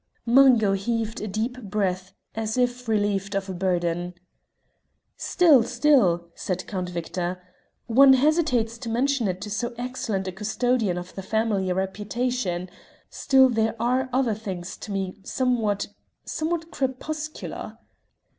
Mungo heaved a deep breath as if relieved of a burden. "Still still," said Count Victor, "one hesitates to mention it to so excellent a custodian of the family reputation still there are other things to me somewhat somewhat crepuscular."